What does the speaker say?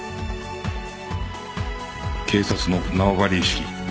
警察の縄張り意識